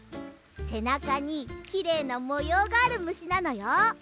せなかにきれいなもようがあるむしなのよ。